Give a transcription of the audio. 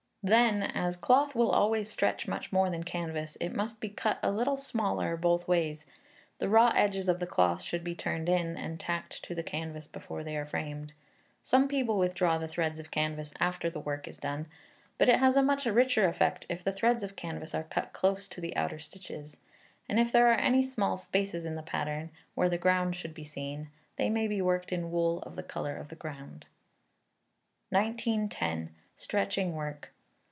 Then, as cloth will always stretch much more than canvas, it must be cut a little smaller both ways. The raw edges of the cloth should be turned in, and tacked to the canvas before they are framed. Some people withdraw the threads of canvas after the work is done; but it has a much richer effect if the threads of canvas are cut close to the outer stitches; and if there are any small spaces in the pattern, where the ground should be seen, they may be worked in wool of the colour of the ground. 1910. Stretching Work.